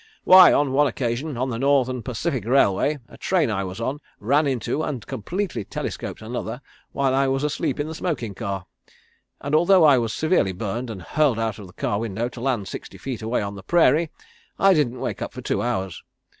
Why, on one occasion, on the Northern Pacific Railway, a train I was on ran into and completely telescoped another while I was asleep in the smoking car, and although I was severely burned and hurled out of the car window to land sixty feet away on the prairie, I didn't wake up for two hours.